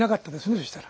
そしたら。